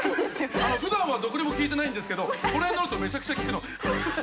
ふだんはどこにも効いてないんですけどこれに乗るとめちゃくちゃ効くの。